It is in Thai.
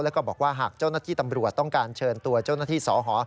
แล้วก็บอกว่าหากเจ้าหน้าที่ตำรวจต้องการเชิญตัวเจ้าหน้าที่สห